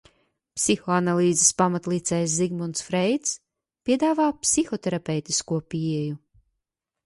Psihoanalīzes pamatlicējs Zigmunds Freids piedāvā psihoterapeitisko pieeju.